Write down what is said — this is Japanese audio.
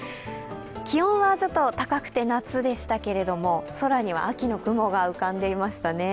気温はちょっと高くて夏でしたけれども空には秋の雲が浮かんでいましたね。